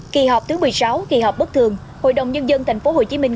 kỳ họp thứ một mươi sáu kỳ họp bất thường hội đồng nhân dân thành phố hồ chí minh